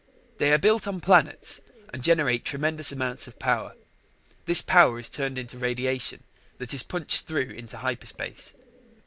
They are built on planets and generate tremendous amounts of power. This power is turned into radiation that is punched through into hyperspace.